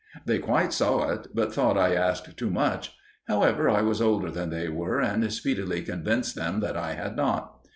They quite saw it, but thought I asked too much. However, I was older than they were, and speedily convinced them that I had not.